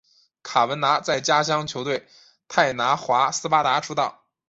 卡文拿在家乡球队泰拿华斯巴达出道。